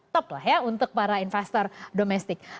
top lah ya untuk para investor domestik